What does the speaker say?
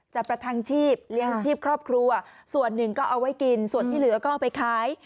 ประทังชีพเลี้ยงชีพครอบครัวส่วนหนึ่งก็เอาไว้กินส่วนที่เหลือก็เอาไปขาย